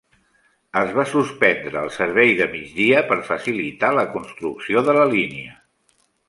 Es va suspendre el servei de migdia per facilitar la construcció de la línia.